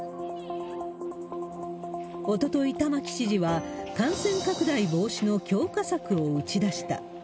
おととい、玉城知事は、感染拡大防止の強化策を打ち出した。